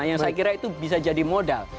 yang saya kira itu bisa jadi modal